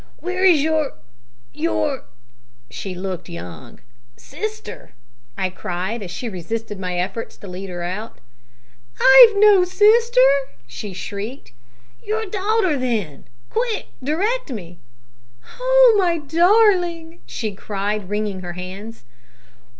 "Where is your your (she looked young) sister?" I cried, as she resisted my efforts to lead her out. "I've no sister!" she shrieked. "Your daughter, then! Quick, direct me!" "Oh! my darling!" she cried, wringing her hands.